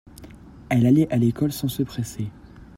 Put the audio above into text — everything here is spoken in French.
elle allait à l'école sans se presser.